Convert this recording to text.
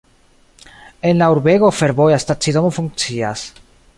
En la urbego fervoja stacidomo funkcias.